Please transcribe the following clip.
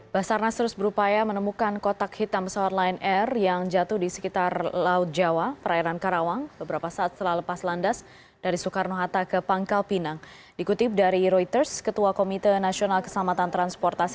bersama breaking news